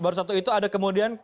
baru satu itu ada kemudian